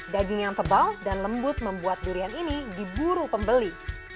daging yang tebal dan lembut membuat durian ini diburu pembeli